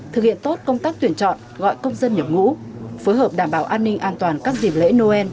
thực hiện tốt công tác tuyển chọn gọi công dân nhập ngũ phối hợp đảm bảo an ninh an toàn các dịp lễ noel